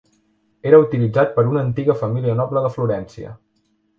Era utilitzat per una antiga família noble de Florència.